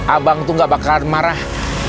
abang tuh gak bakalan marah